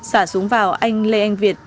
xả súng vào anh lê anh việt